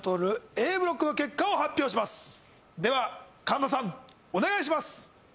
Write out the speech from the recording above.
神田さんお願いします